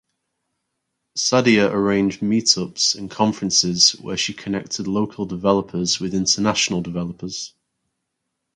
Sadia arranged meetups and conferences where she connected local developers with international developers.